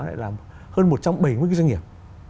là hơn một trăm bảy mươi doanh nghiệp